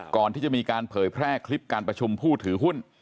ก่อนที่จะมีการเผยแพร่คลิปการประชุมผู้ถือหุ้น